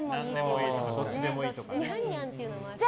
どっちでもいいとかと。